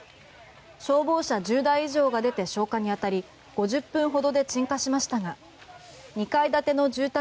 消防車１０台以上が出て消火に当たり５０分ほどで鎮火しましたが２階建ての住宅